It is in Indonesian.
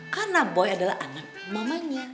karena boy adalah anak mamanya